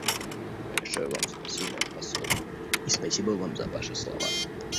Большое Вам спасибо посол, и спасибо Вам за Ваши слова.